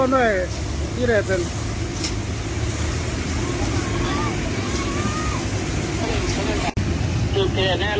นี่เลยครับ